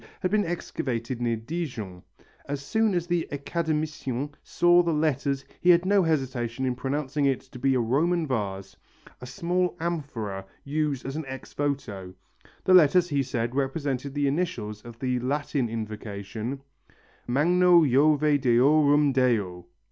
had been excavated near Dijon. As soon as the Academicien saw the letters he had no hesitation in pronouncing it to be a Roman vase, a small amphora used as an ex voto. The letters, he said, represented the initials of the Latin invocation: MAGNO JOVE DEORUM DEO.